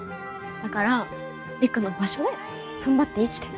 だから陸の場所でふんばって生きて。